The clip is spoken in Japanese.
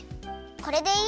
これでいい？